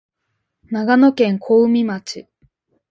長野県小海町